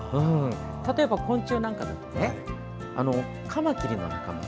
例えば、昆虫なんかだとカマキリの仲間